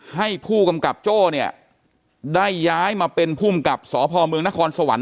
ให้ผู้กำกับโจ้ได้ย้ายมาเป็นผู้กำกับสอบภอมืองนครสวรรค์